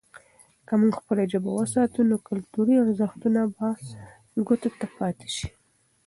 که موږ خپله ژبه وساتو، نو کلتوري ارزښتونه به ګوته ته پاتې سي.